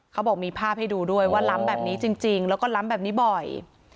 เขาบอกมีภาพให้ดูด้วยว่าล้ำแบบนี้จริงแล้วก็ล้ำแบบนี้บ่อย